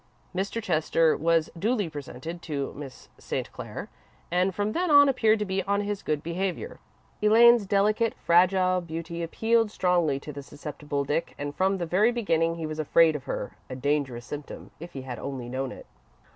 Mr. Chester was duly presented to Miss St. Clair, and from then on, appeared to be on his good behaviour. Elaine's delicate, fragile beauty appealed strongly to the susceptible Dick, and from the very beginning, he was afraid of her a dangerous symptom, if he had only known it.